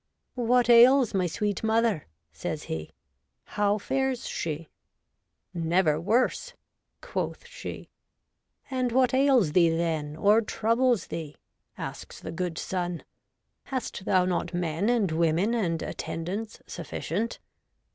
' What ails my sweet mother ?' says he ;' how fares she ?'' Never worse,' quoth she. SOME OLD TIME TERMAGANTS. 89 ' And what ails thee, then, or troubles thee ?' asks the good son. ' Hast thou not men and women and attendants sufficient